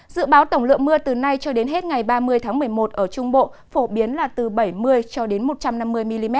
dự báo tổng lượng mưa từ nay cho đến hết ngày ba mươi tháng một mươi một ở trung bộ phổ biến là từ bảy mươi cho đến một trăm năm mươi mm